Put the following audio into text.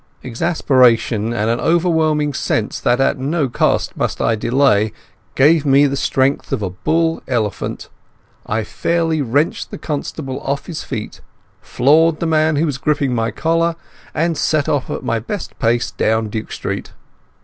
Exasperation and an overwhelming sense that at no cost must I delay gave me the strength of a bull elephant. I fairly wrenched the constable off his feet, floored the man who was gripping my collar, and set off at my best pace down Duke Street.